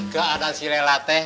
keadaan si lela teh